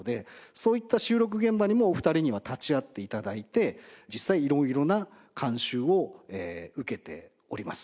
そういった収録現場にもお二人には立ち会って頂いて実際色々な監修を受けております。